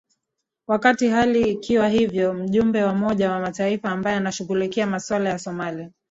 wakati hali ikiwa hivyo mjumbe wa umoja wamataifa ambaye anashughulikia masuala ya somalia